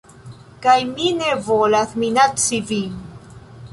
Kaj mi ne volas minaci vin